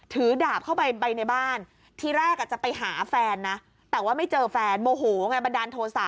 ดาบเข้าไปไปในบ้านทีแรกจะไปหาแฟนนะแต่ว่าไม่เจอแฟนโมโหไงบันดาลโทษะ